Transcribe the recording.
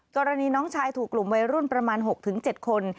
กรณีน้องชายถูกกลุ่มวัยรุ่นประมาณ๖๗คน